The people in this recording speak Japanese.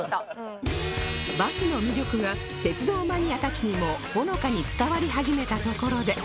バスの魅力が鉄道マニアたちにもほのかに伝わり始めたところで